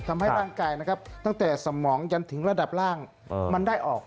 ทำให้ร่างกายนะครับตั้งแต่สมองยันถึงระดับล่างมันได้ออก